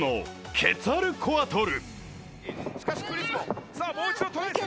ケツァル・コアトル！